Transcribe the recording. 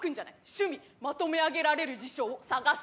「趣味まとめ上げられる事象を探す事」。